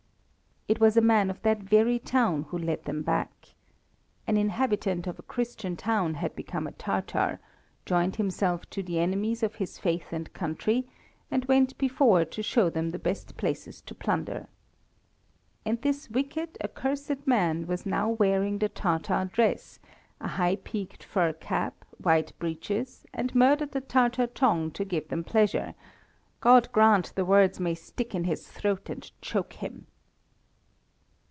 It was a man of that very town who led them back. An inhabitant of a Christian town had become a Tatar, joined himself to the enemies of his faith and country, and went before to show them the best places to plunder. And this wicked, accursed man was now wearing the Tatar dress, a high peaked fur cap, white breeches, and murdered the Tatar tongue to give them pleasure God grant the words may stick in his throat and choke him.